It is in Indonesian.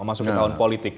masuk ke tahun politik